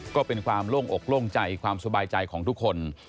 ก็เป็นความโล่งอกโล่งใจความสบายใจของทุกคน